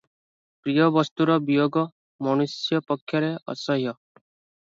ପ୍ରିୟ ବସ୍ତୁର ବିୟୋଗ ମନୁଷ୍ୟ ପକ୍ଷରେ ଅସହ୍ୟ ।